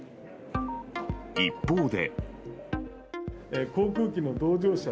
一方で。